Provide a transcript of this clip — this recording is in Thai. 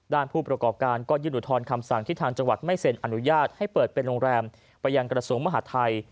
ผู้ประกอบการก็ยื่นอุทธรณ์คำสั่งที่ทางจังหวัดไม่เซ็นอนุญาตให้เปิดเป็นโรงแรมไปยังกระทรวงมหาทัย